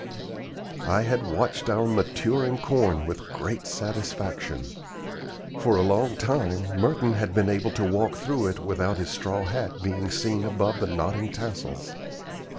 I had watched our maturing corn with great satisfaction. For a long time Merton had been able to walk through it without his straw hat being seen above the nodding tassels.